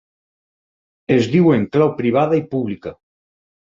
Es diuen clau privada i pública.